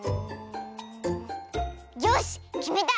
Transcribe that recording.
よしきめた！